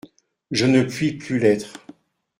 Je ne puis plus l'être.